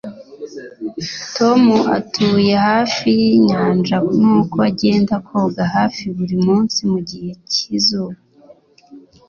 Tom atuye hafi yinyanja nuko agenda koga hafi buri munsi mugihe cyizuba